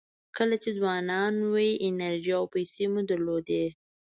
کله چې ځوانان وئ انرژي او پیسې مو درلودې.